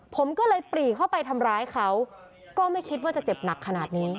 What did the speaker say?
ผมก็เลยปรีเข้าไปทำร้ายเขาก็ไม่คิดว่าจะเจ็บหนักขนาดนี้